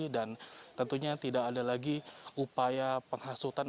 dan tentunya tidak ada lagi upaya penghasutan